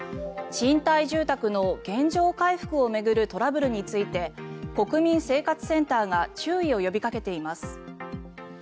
賃貸住宅の原状回復を巡るトラブルについて国民生活センターが注意を呼びかけています。